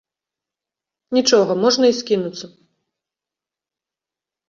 Нічога, можна і скінуцца.